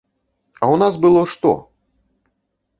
А ў нас было што?